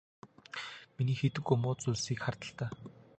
Миний хийдэггүй муу зүйлсийг хар л даа.